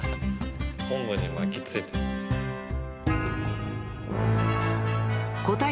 昆布に巻きついてる。